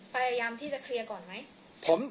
พยายามที่จะเคลียร์ก่อนไหม